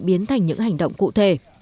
biến thành những hành động cụ thể